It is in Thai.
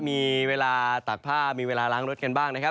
มีเวลาตากผ้ามีเวลาล้างรถกันบ้างนะครับ